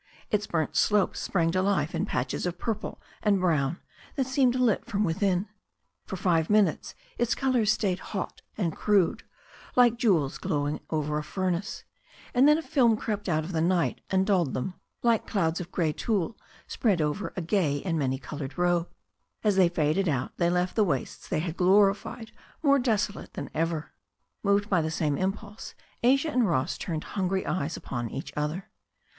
Its burnt slopes sprang to life in patches of purple and brown that seemed lit from within. For five minutes its colours stayed hot and crude, like jewels glowing over a furnace, and then a film crept out of the night and dulled them, like clouds of grey tulle spread over a gay and many coloured robe. As they faded out they left the wastes they had glorified more desolate than ever. Moved by the same impulse, Asia and Ross turned hun gry eyes upon each other.